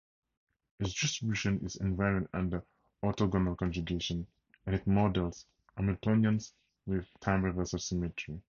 Its distribution is invariant under orthogonal conjugation, and it models Hamiltonians with time-reversal symmetry.